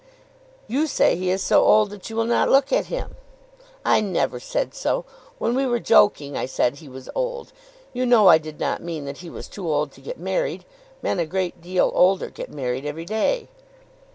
"You say he is so old that you will not look at him." "I never said so. When we were joking, I said he was old. You know I did not mean that he was too old to get married. Men a great deal older get married every day."